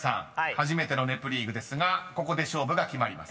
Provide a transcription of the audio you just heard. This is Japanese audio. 初めての『ネプリーグ』ですがここで勝負が決まります］